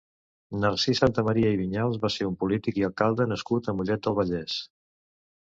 Narcís Santamaria i Viñals va ser un polític i alcalde nascut a Mollet del Vallès.